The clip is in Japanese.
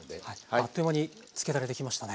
あっという間につけだれ出来ましたね。